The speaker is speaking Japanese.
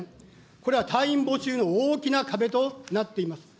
これは隊員募集の大きな壁となっています。